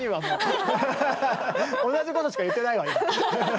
同じことしか言ってないわ今。